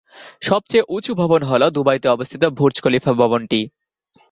সবচেয়ে উঁচু ভবন হলো দুবাইতে অবস্থিত ‘বুর্জ খলিফা’ ভবনটি।